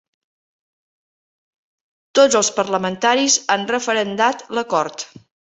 Tots els parlamentaris han referendat l'acord.